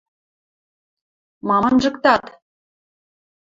— Мам анжыктат?